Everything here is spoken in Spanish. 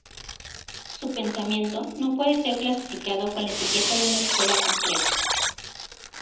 Su pensamiento no puede ser clasificado con la etiqueta de una escuela concreta.